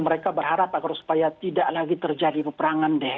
mereka berharap agar supaya tidak lagi terjadi peperangan deh